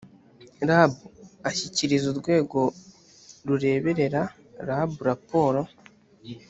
rab ashyikiriza urwego rureberera rab raporo